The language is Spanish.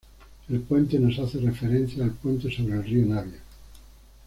El puente nos hace referencia al puente sobre el río Navia.